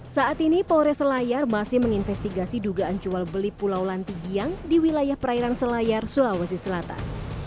saat ini polres selayar masih menginvestigasi dugaan jual beli pulau lantigiang di wilayah perairan selayar sulawesi selatan